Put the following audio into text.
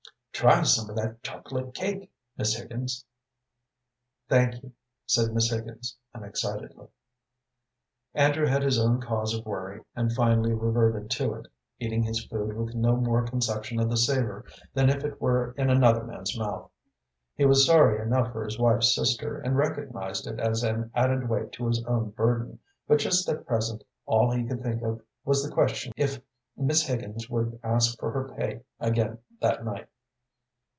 "Try some of that chocolate cake, Miss Higgins." "Thank you," said Miss Higgins, unexcitedly. Andrew had his own cause of worry, and finally reverted to it, eating his food with no more conception of the savor than if it were in another man's mouth. He was sorry enough for his wife's sister, and recognized it as an added weight to his own burden, but just at present all he could think of was the question if Miss Higgins would ask for her pay again that night.